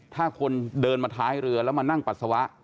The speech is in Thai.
ถ้าคนเดินมาท้ายเรือแล้วมานั่งปัสสาวะ